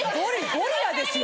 ゴリラですよ